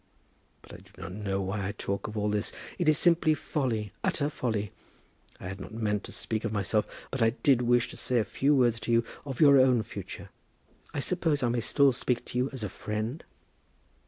But I do not know why I talk of all this. It is simply folly, utter folly. I had not meant to speak of myself; but I did wish to say a few words to you of your own future. I suppose I may still speak to you as a friend?"